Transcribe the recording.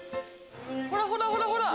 ほらほらほら！